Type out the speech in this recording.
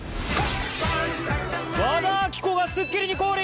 和田アキ子が『スッキリ』に降臨！